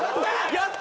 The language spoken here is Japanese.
やった！